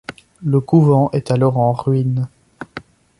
Le couvent est alors en ruines.